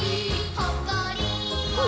ほっこり。